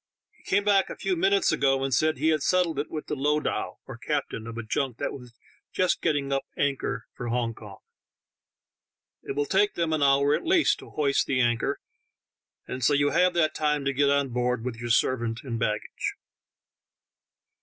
He came back a few minutes ago, and said he had settled it with the lowdah (captain) of a junk that was just getting up anchor for Hong Kong. It will take them an hour at least to hoist the anchor, and so you have that time to get on board with your servant and baggage."